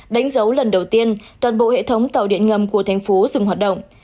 đánh dấu lần đầu tiên toàn bộ hệ thống tàu điện ngầm của thành phố dừng hoạt động